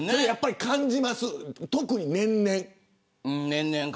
やっぱり感じますか特に年々。